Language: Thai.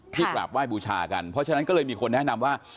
กราบไหว้บูชากันเพราะฉะนั้นก็เลยมีคนแนะนำว่า